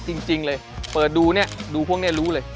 จริงเลยเปิดดูเนี่ยดูพวกนี้รู้เลย